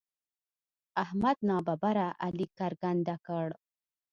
احمد ناببره علي کرکنډه کړ.